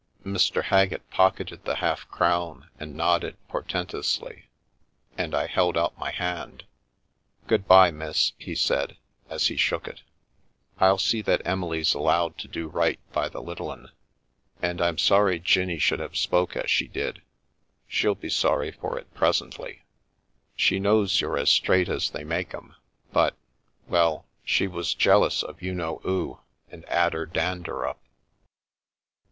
Mr. Haggett pocketed the half crown and nodded por tentously, and I held out my hand. " Good bye, miss," he said, as he shook it. " I'll see that Emily's allowed to do right by the little 'un. And I'm sorry Jinnie should have spoke as she did. Shell be sorry for it presently. She knows you're as straight as they make 'em, but — well, she was jealous of you know 'oo, and 'ad *er dander up."